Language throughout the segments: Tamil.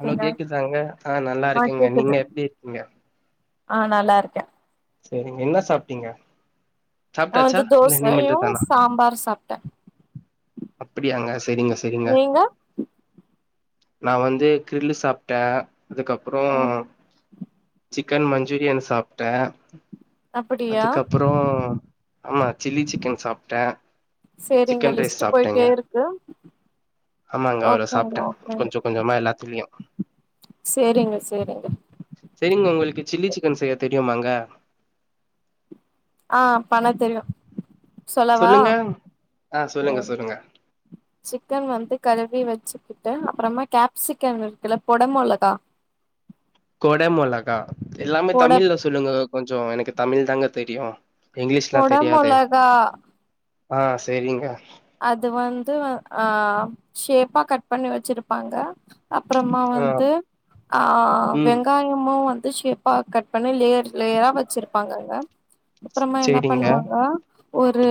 ஹலோ கேக்குதாங்க ஆ நல்லா இருக்கங்க நீங்க எப்டி இருக்கீங்க ஆ நல்லா இருக்கே சேரிங்க என்ன சாப்டீங்க நா சாப்டாச்சா வந்து இல்ல தோசையு இனிமேட்டு தானா சாம்பார் சாப்டே அப்படியாங்க சேரிங்க சேரிங்க நீங்க நா வந்து கிர்லு சாப்டே அதுக்கு அப்றோ ம் சிக் சிக்கன் மஞ்சூரியன் சாப்ட்டே அப்படியா அதுக்கப் அப்றோ ஆமா சில்லி சிக்கன் சாப்ட்டே சேரிங்க லிஸ்ட் போயிட்டே இருக்கு ஆமாங்க அவ்ளோ ஓகேங்க சாப்ட்ட ஓகேங்க கொஞ்ச கொஞ்சமா எல்லாத்துலயு சேரிங்க சேரிங்க செரிங்க உங்களுக்கு சில்லி சிக்கன் செய்ய தெரியுமாங்க ஆ பண்ண தெரியு சொல்லவா சொல்லுங்க ஆ சொல்லுங்க ம் சொல்லுங்க சிக்கன் வந்து கழுவி வெச்சி கிட்ட அப்றமா கேப்சிக்கன் இருக்குல்ல கொடமொளகா கொடமொளகா எல்லாமே தமிழ்ல சொல்லுங்க கொஞ்சோ எனக்கு தமிழ் தாங்க தெரியு இங்கிலீஷ்லா பொட தெரியாதே மொளகா ஆ செரிங்க அது வந்து ஆ ஷேப்பா கட் பண்ணி வெச்சிருப்பாங்க அப்றமா ஆ வந்து ஆ ம் வெங்காய யமு வந்து ஷேப்பா கட் பண்ணி லேயர் லேயரா வெச்சிருப்பாங்கங்க அப்றமா என்ன சேரிங்க பண்ணுவாங்க ஒரு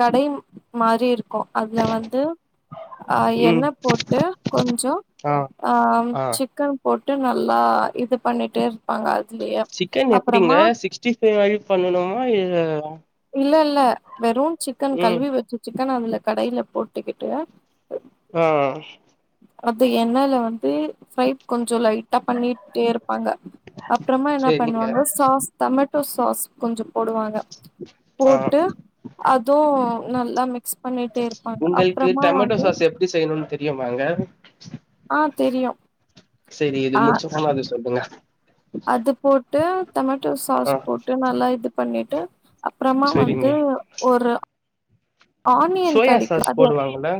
கடை மாரி இருக்கோ அதுல வந்து அ எண்ண ம் போட்டு கொஞ்சம் ஆ அ ஆ சிக்கன் போட்டு நல்லா இது பண்ணிட்டே இருப்பாங்க அதுலயே அப்பறமா சிக்ஸ்ட்டி ஃப்வை மாரியே பண்ணனுமா இல்ல இல்ல இல்ல வெறு சிக்கன் ம் கழுவி வெச்சி சிக்கன் அதுல கடாயில போட்டுக்கிட்டு ஆ அது எண்ணெயில வந்து ஃப்ரை கொஞ்சோ லைட்டா பண்ணிட்டே இரு பாங்க அப்பறமா என்ன சேரிங்க பண்ணுவாங்க சாஸ் டொமேட்டோ சாஸ் கொஞ்சோ போடுவாங்க ஆ போட்டு அதுவு நல்லா மிக்ஸ் பண்ணிட்டே இருப்பாங்க உங்களுக்கு அப்பறமா டொமேட்டோ வந்து சாஸ் எப்டி செய்யணும்னு தெரியுமாங்க ஆ தெரியோ செரி இது முடிச்ச போன அத சொல்லுங்க அது போட்டு டொமேட்டோ ஆ சாஸ் போட்டு நல்லா இது பண்ணிட்டு அப்றமா சேரிங்க வந்து ஒரு ஆனியன் கடைக்கு அது இன்ன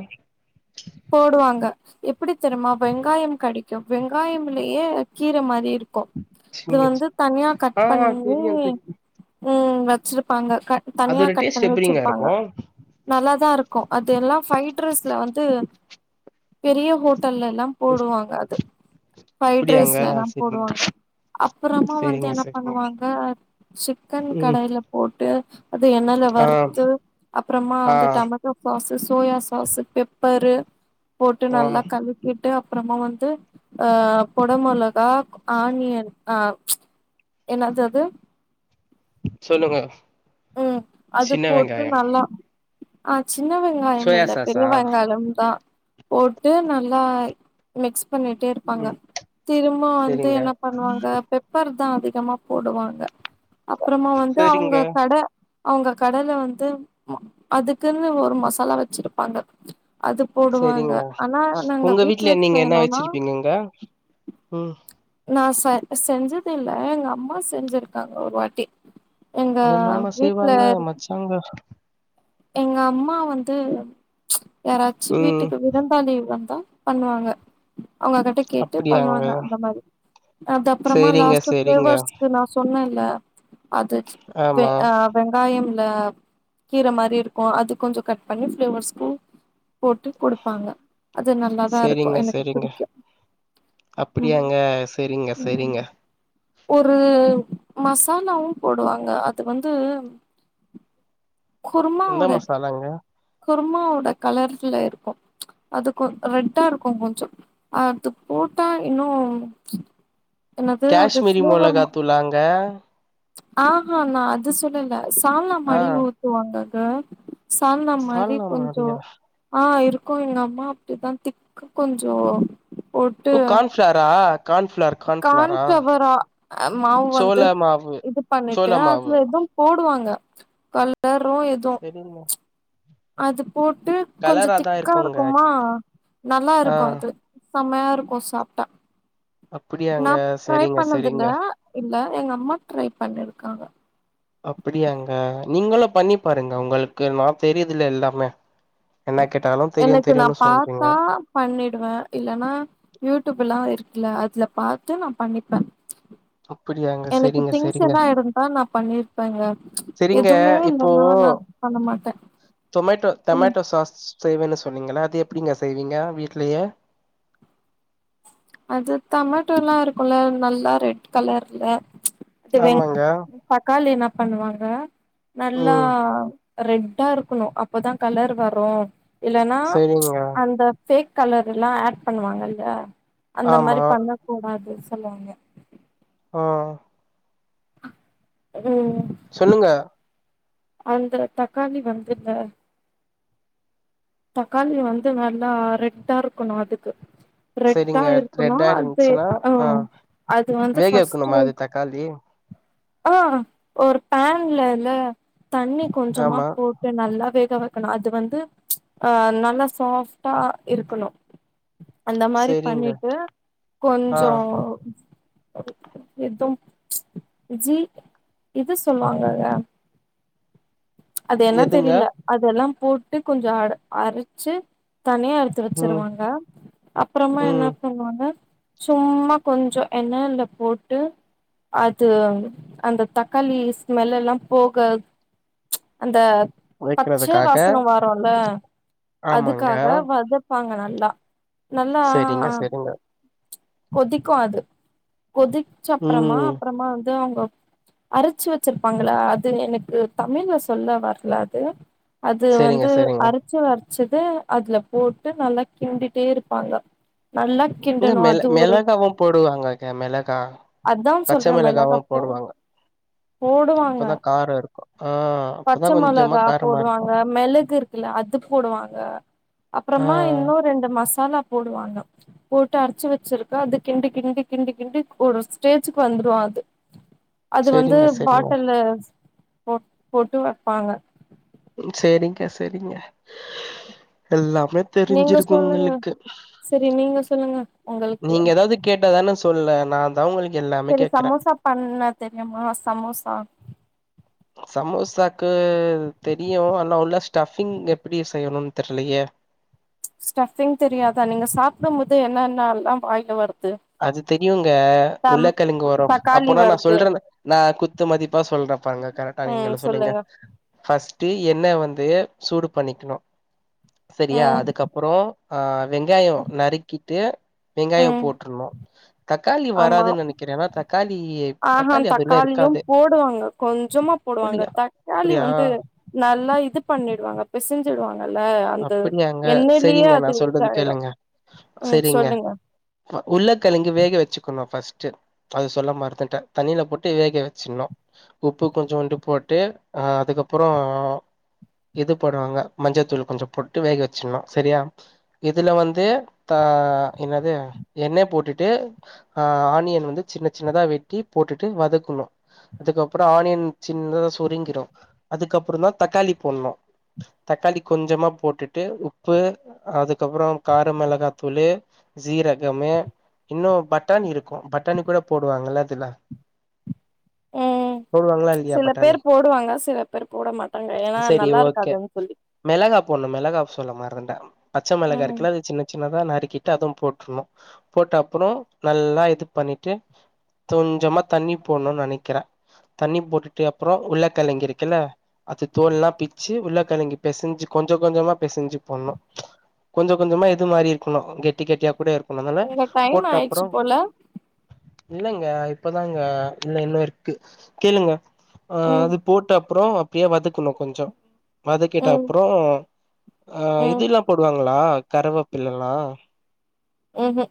போடுவாங்க எப்டி தெரிமா வெங்காயம் கடைக்கு வெங்காயம்லயே கீர மாரி இருக் க்கோ இது வந்து தனியா கட் ஆ பண்ணி தெரியு தெரியு ம் வெச்சிருப்பாங்க தனியா அதோட கட் டேஸ்ட் பண்ணி எப்டிங்க இருக்கு வெச்சிருப்பாங்க நல்லாதா இருக்கோ அது எல்லா ஃப்ரைட் ரைஸ்ல வந்து பெரிய ஹோட்டல்லல்லா போடுவாங்க அது ஃப்ரைட் அப்படியாங்க ரைஸ்லல்லா சரிங்க போடுவாங்க அப்புறமா வந்து சரிங்க என்ன சரிங்க பண்ணுவாங்க சிக்கன் ம் கடையில போட்டு அது எண்ணெயில ஆ வறுத்து அப்றமா ஆ வந்து டொம ட்டு சாஸ்சுசோயா சாஸ்சு பெப்பரு போட்டு ஆ நல்லா கலக்கி ட்டு அப்றமா வந்து ஆ கொடமிளகா ஆனியன் ஆ என்னது அது சொல்லுங்க ம் அது சின்ன போட்டு வெங்காயம் நல்லா ஆ சின்ன வெங்காயம் சோயா இல்ல பெரிய சாஸா வெங்காயம் தா போட்டு நல்லாய் மிக்ஸ் பண்ணிட்டே இருப்பாங்க ம் திரும்பவோ வந்து சரிங்க என்ன பண்ணுவாங்க பெப் பெப்பர் தா அதிகமா போடுவாங்க அப்றமா வந்து அவுங்க சரிங்க கட அவுங்க கடையில வந்து அதுக்குன்னு ஒரு மசாலா வெச்சிருப்பாங்க அதுப் செரிங்க உங்க வீட்ல நீங்க என்ன செய்யணும்னா வெச்சிருப்பீங்கங்க உம் நா ச செஞ்சிது இல்ல எங்க அம்மா செஞ்சிருக்காங்க ஒரு வாட்டி எங்க வீட்ல இருக் எங்க எங்க அம்மா வந்து யாராச்சி ம் வீட்டுக்கு விருந்தாளி வந்தா பண்ணுவாங்க அவுங்க கிட்ட கேட்டு அப்படியாங்க பண்ணுவாங்க அந்த மாதி அது அப்புறமா சரிங்க லாஸ்ட் சரிங்க ஃப்ளேவர்ஸ் நா சொன்னல்ல அது வெ ஆமா வெங்காயம்ல கீர மாரி இருக்கோ அது கொஞ்சோ கட் பண்ணி ஃப்ளேவர்ஸ்கு போட்டு குடுப்பாங்க அது நல்லாதா இருக்கோ எனக்கு புடிக்கு அப்டியாங்க செரிங்க செரிங்க ஒரு மசாலாவும் போடுவாங்க அது வந்து குருமா எந்த ஓட மசாலாங்க குர்மாவோட கலர்ல இருக்கோ அதுக்கு ரெட்டா இருக்கோ கொஞ்சோ அது போட்டா இன்னும் என்னது அது காஷ்மீரி ஃப்ளேவர் மா மொளகாத்தூளாங்க ஆஹா நா அது சொல்லல சால்னா ஆ மாரி ஊத்துவாங்கங்க சால்னா மாரி சால்னா கொஞ்ஜோ மாரியா ஆ இருக்கும் எங்க அம்மா அப்டிதான் திக்கு கொஞ்ஜோ ஓ கார்ன்ஃப்ளவாரா கான் ஃப் கான் ஃப்ளவராஅ மாவு வந்து சோள மாவு இது பண்ணிட்டு சோள மாவு அதுல எதும் போடுவாங்க கலரும் எதும் [inaudible] அது போட்டு கொஞ்ஜோ கலராதா திக்கா இருக்குங்க இருக்குமா நல்லா ஆ இருக்கும் அது செம்மையா இருக்கும் சாப்ட்டா அப்படியாங்க நா ட்ரை சரிங்க பண்ணதுல்ல சரிங்க இல்ல எங்க அம்மா ட்ரைப் பண்ணிருக்காங்க அப்பிடியாங்க நீங்களும் பண்ணி பாருங்க உங்களுக்கு நா தெரியுதல எல்லாமே என்ன கேட்டாலும் எனக்கு நா பாத்தா பண்ணிடுவேன் இல்லன்னா யூடியூப் எல்லாம் இருக்குல்ல அதுல பாத்து நா பண்ணிப்பேன் அப்படியாங்க எனக்கு சரிங்க திங்ஸ் சரிங்க எதா இருந்தா நா பண்ணிருப்பேங்க சரிங்க எதுவுமே இப்போ இல்லன்னா நா பண்ண மாட்டே டொமேட்டோ எங்க டமேட்டோ சாஸ் செய்வேன்னு சொன்னீங்களா அது எப்டிங்க செய்வீங்க வீட்லயே அது டமேட்டோ எல்லா இருக்குல்ல நல்லா ரெட் கலர்ல அது வெங் ஆமாங்க தக்காளி என்ன பண்ணுவாங்க நல்லா ம் ரெட்டா இருக்கணு அப்பதா கலர் வரு இல்லன்னா சரிங்க அந்த ஃபேக் கலர் எல்லா ஆட் பண்ணுவாங்கல்ல அந்த மாரி ஆமா பண்ண கூடாதுன் சொல்லுவாங்க ஆ ஆ அடிவூல்ஞ் சொல்லுங்க அந்த தக்காளி வந்துந்த தக்காளி வந்து நல்லா ரெட்டா இருக்கணு அதுக்கு ரெட்டா செரிங்க இருக்கணு ரெட்டா அது இருந்துச்சுன்னா ஆ அது வந்து வேக வைக்கணுமா ஃபஸ்ட்டு அது தக்காளி அ ஒரு பேன்லல்ல தண்ணி கொஞ்சமா ஆமா போட் நல்லா வேக வக்கணு அது வந்து அ நல்லா சாஃப்டா இருக்கணு அந்த மாரி செரிங்க பண்ணிட்டு ஆ கொஞ்சோ அது எதும் ஜி இது சொல்லுவாங்கங்க அது என்ன எதுங்க தெரியில அதெல்லா போட்டு கொஞ்சோ அ அரச்சு தனியா எடுத்து ம் வச்சிருவாங்க அப்புறமா என்ன ம் பண்ணுவாங்க சும்மா கொஞ்சோ எண்ணய்ல போட்டு அது அந்த தக்காளி ஸ்மெல்ல ல்லா போக அந்த பச்சே வைக்கிறதுக்காக வாசன வாரோல்ல ஆமாங்க அதுக்காக வத வாங்க நல்லா நல்லா செரிங்க செரிங்க கொதிக்கு அது கொதிச்ச ப்றமா ம் அப்புறமா வந்து அவுங்க அரச்சு வச்சிருப்பாங்களா அது எனக்கு தமிழ்ல சொல்ல வர்ல அது அது செரிங்க வந்து செரிங்க அர ச்சு அரச்சது அதுல போட்டு நல்லா கிண்டிட்டே இருப்பாங்க நல்லா கிண்டணு அத் மெளகாவு போடுவாங்க க்கா மிளகா அதா பச்ச சொல்ற மிளகாவு மிளகா போ போடுவாங்க போடுவாங்க அப்பதா காரோ இருக்கு ஆ அப்பதா பச்ச கொஞ்சமா மிளகா காரமா இருக்கு போடுவாங்க மிளகு இருக் குல அது போடுவாங்க ஆ அப்புறமா இன்னொ ரெண்டு மசாலா போடுவாங்க போட்டு அரச்சு வச் சிருக்கா அது கிண்டு கிண்டு கிண்டு கிண்டி ஒரு ஸ்டேஜுக்கு வந்துரு அது அது வந்து செரிங்க செரிங்க பாட்டல்ல போ போட்டு வப்பாங்க சேரிங்க்க செரிங்க எல்லாமே நீங்க தெரிஞ்சிருக்கு சொல்லுங்க உங்களுக்கு செரி நீங்க சொல்லுங்க உங்களுக்கு நீங்க ஏதாவ்து கேட்டாதான சொல்ல நா தா உங்களுக்கு எல்லா சேரி சமோசா பண்ண தெரியுமா சமோசா சமோசாக்கு தெரியு ஆனா உள்ள ஸ்டஃபிங் எப்டி செய்யணுனு தெர்லியே ஸ்டஃபிங் தெரியாதா நீங்க சாப்டும் போது என்னன்ன எல்லா வாயில வர்து அது தெரியுங்க உள்ளக்கலுங்கு வரு தக்காளி அப்போனா நா வருது சொல்றன நா குத்து மதிப்பா சொல்றப்பாங்க கரெக்டா நீங்களு சொல்லுங்க பஃஸ்ட்டு எண்ணெ வந்து சூடு பண்ணிக்கணு செரியா ம் அதுக்கு அப்புறோ ஆ வெங்காயோ நறுக்கிட்டு வெங்காயோ ம் போட்ருணு தக்காளி வராதுன் நெனைக்கிறே ஏன்னா தக் ஆஹாம் தக்காளியும் போடுவாங்க கொஞ்சமா போடுவாங்க அப்படியா தக்காளி அப்படியா வந்து நல்லா இது பண்ணிடுவாங்க பெசஞ்சிடுவாங்கல்ல அந்த அப்படியாங்க எண்ணைலியே சரிங்க அது நான் சொல்றது இதாய்டு கேளுங்க ம் சொல்லுங்க அ உர்ளக்கெழங்கு வேக வெச்சுக்கணு ஃபஸ்ட்டு அது சொல்ல மறந்துட்டே தண்ணில போட்டு வேக வெச்சிர்ணு உப்பு கொஞ்சோண்டு போட்டு் அ அதுக்கப்பறோ இது போடுவாங்க மஞ்சத்தூளு கொஞ்சோ போட்டு வேக வெச்சிர்ணு செரியா இதுல வந்து த என்னது எண்ணெ போட்டுட்டு ஆ ஆனியன் வந்து சின்ன சின்னதா வெட்டி போட்டுட்டு வதக்குணு அதுக்கப்பறோ ஆனியன் சின்னதா சுருங்கிரு அதுக்கப்பறந்தா தக்காளி போட்ணு தக்காளி கொஞ்சமா போட்டுட்டு உப்பு அதுக்கப்பறோ கார மிளகாத்தூளு சீரகமு இன்னு பட்டாணி இருக்கு பட்டாணி கூட போடுவாங்கல்ல அதுல [unintelligible] ம் போடுவாங்களா இல்லையா சில பட்டாணி பேர் போடுவாங்க சில பேர் போட மாட்டாங்க ஏனா சரி ஓகே நல்லாருக்காதுன் சொல்லி மிளகா போட்ணு மிளகாவ் சொல்ல மறந்ட்டே பச்ச ம் மிளகா ம் இருக்குல்ல அது சின்ன சின்னதா நறுக்கிட்டு அது போட்ருணு போட்டப்றோ நல்லா இது பண்ணிட்டு கொஞ்சமா தண்ணி போட்ணுனு நெனைக்கிறே தண்ணி போட்டுட்டு அப்றோ உர்ளக்கெழங்கு இருக்குல்ல அது தோல்லா பிச்சு உர்ளக்கெழங்கு பெசஞ்சி கொஞ்ச கொஞ்சமா பெசிஞ்சி போட்ணு கொஞ்ச கொஞ்சமா இது மாரி இர்க்கணு கெட்டி கெட்டியா கூட இருக்கணு அதுனால எங்க டைம் போட்டப்றோ ஆயிடுச்சு போல இல்லங்க இப்பதாங்க இல்ல இன்னு இருக்கு கேளுங்க ஆ ம் அது போட்டப்றோ அப்டியே வதக்குணு கொஞ்சோ வதக்கிட்டு ம் அப்றோ அ ம் இதுல்லா போடுவாங்களா கருவேப்பிலல்லா ம்ம்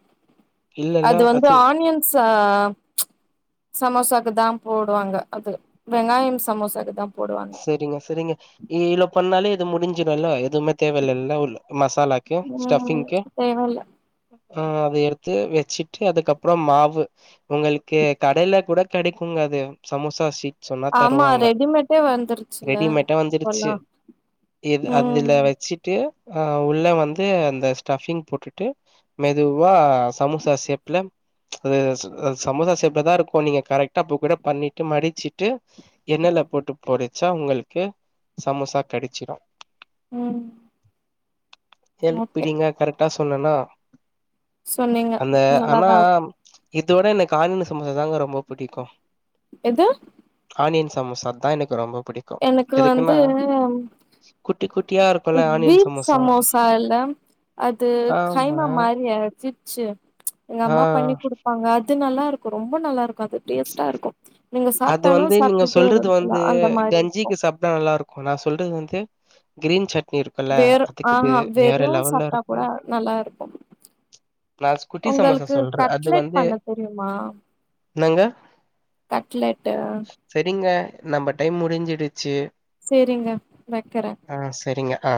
அது வந்து ஆனியன் சா சமோசாக்கு தா போடுவாங்க அது வெங்காயோ சமோசாக்கு தா போடுவாங்க செரிங்க செரிங்க ஈல பண்ணாலே இது முடிஞ்சிரு இல்ல இது மத் தேவயான லெவலு மசாலாக்கு ம் ஸ்டஃபிங்க்கு தேவல்ல ஆ அத எடுத்து வெச்சிட்டு அதுக்கப்றோ மாவு உங்களுக்கு கடைல கூட கெடைக்குங்க அது சமோசா ஸீட் சொன்னா ஆமா தருவாங்க ரெடிமேட்டே வந்துருச்சுல்ல ரெடிமேட்டா வந்துடுச்சு இப்பல்லா இது அதுல ம் வெச்சிட் டு உள்ள வந்து அந்த ஸ்டஃபிங் போட்டுட்டு மெதுவா சமோசா சேப்ல அதது ஸ் அது சமோசா சேப்லதா இருக்கு நீங்க கரெக்ட்டா அப்ப கூட பண்ணிட்டு மடிச்சிட்டு எண்ணைல போட்டு பொரிச்சா உங்கள்க்கு சமோசா கெடச்சிடு ம் ஓகே எப்பிடிங்க கரெக்ட்டா சொன்னனா சொன்னீங்க அந்த ஆனா நல்லாதா இதோட எனக்கு ஆன்ன சமோசா தாங்க ரொம்போ பிடிக்கு எது ஆனியன் சமோசா அதா எனக்கு ரொம்ப புடிக் எனக்கு வந்து குட்டி குட்டியா இருக் அ பீஃப் சமோசா இல்ல அது ஆமா. கைமா மாரி அரச் சு எங்க அம்மா ஆ. பண்ணி குடுப்பாங்க அது நல்லாருக்கு ரொம்போ நல்லாருக்கு அது டேஸ்ட்டா இருக்கு நீங்க அது சாப்ட்டாலு வந்து நீங்க சாப்ட்டுட்டே இருக்கலா அந்த மாரி இருக்கு தா நல்லா இருக்குங்ளா நா சொல்றது வந்து கிரீன் சட்னி இருக் வேற ஆஹா வெறு சாப்ட்டா கூட இருக்கும். நல்லா இருக்கு நான் குட்டி சமோசா உங்களுக்கு சொல்றேன். அது கட்லெட் வந்து பண்ண தெரியுமா என்னங்க கட்லெட்டு செரிங்க நம்ப டைம் முடிஞ்சிடுச்சு சேரிங்க வைக்கற ஆ செரிங்க ஆ